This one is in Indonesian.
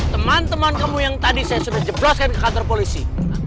teman teman kamu yang tadi saya sudah jebloskan ke kantor polisi